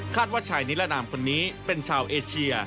ว่าชายนิรนามคนนี้เป็นชาวเอเชีย